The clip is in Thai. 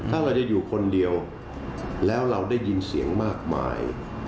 ถ้าเราจะอยู่คนเดียวแล้วเราได้ยินเสียงมากมาย